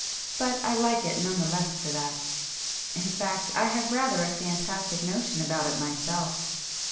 But I like it none the less for that. In fact I have rather a fantastic notion about it myself.